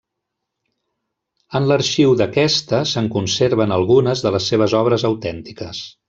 En l'arxiu d'aquesta se'n conserven algunes de les seves obres autèntiques.